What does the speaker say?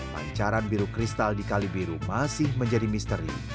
pancaran biru kristal di kali biru masih menjadi misteri